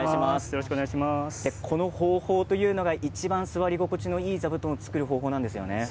この方法というのがいちばん座り心地のいい座布団を作る方法なんですよね。